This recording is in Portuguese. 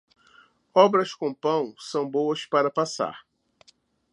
Obras com pão são boas para passar.